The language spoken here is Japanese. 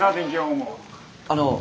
あの。